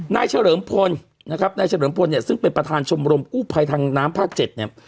เฉลิมพลนะครับนายเฉลิมพลเนี่ยซึ่งเป็นประธานชมรมกู้ภัยทางน้ำภาค๗เนี่ย